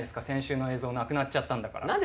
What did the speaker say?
先週の映像なくなっちゃったんだから。